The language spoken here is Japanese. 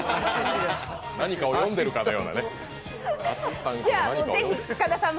何かを読んでるかのようなね。